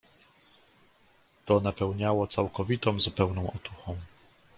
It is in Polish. "To napełniało całkowitą, zupełną otuchą."